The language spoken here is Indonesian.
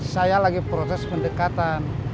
saya lagi proses pendekatan